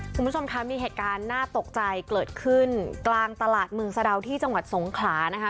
คุณผู้ชมคะมีเหตุการณ์น่าตกใจเกิดขึ้นกลางตลาดเมืองสะดาวที่จังหวัดสงขลานะคะ